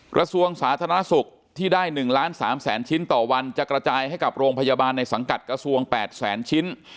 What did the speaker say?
กระทรวงสาธารณสุขที่ได้๑ล้าน๓แสนชิ้นต่อวันจะกระจายให้กับโรงพยาบาลในสังกัดกระทรวง๘แสนชิ้น